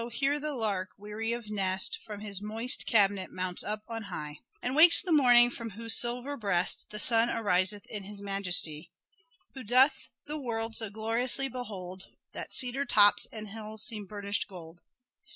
here the lark, weary of nest, From his moist cabinet mounts up on high, And wakes the morning from whose silver breast The sun ariseth in his majesty ; Who doth the world so gloriously behold, That cedar tops and hills seem burnished gold " (s.